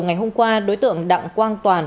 ngày hôm qua đối tượng đặng quang toàn